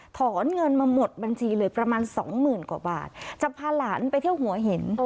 ถอนเงินมาหมดบัญชีเลยประมาณสองหมื่นกว่าบาทจะพาหลานไปเที่ยวหัวหิน